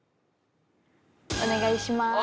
お願いします。